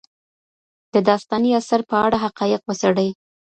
د داستاني اثر په اړه حقایق وڅېړئ.